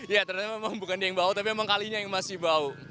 ya ternyata memang bukan di yang bau tapi memang kalinya yang masih bau